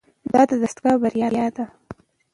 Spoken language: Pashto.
دا دستګاه بریالۍ ده.